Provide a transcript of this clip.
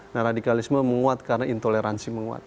nah radikalisme menguat karena intoleransi menguat